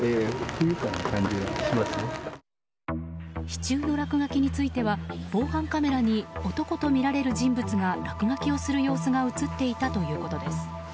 支柱の落書きについては防犯カメラに男とみられる人物が落書きをする様子が映っていたということです。